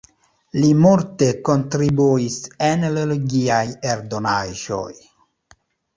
Li multe kontribuis en religiaj eldonaĵoj.